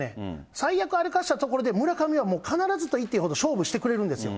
最悪、歩かしたところで、村上はもう必ずといっていいほど勝負してくれるんですよ。